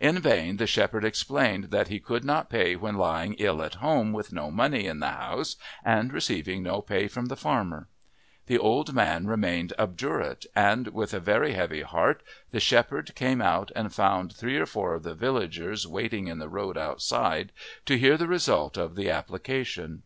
In vain the shepherd explained that he could not pay when lying ill at home with no money in the house and receiving no pay from the farmer. The old man remained obdurate, and with a very heavy heart the shepherd came out and found three or four of the villagers waiting in the road outside to hear the result of the application.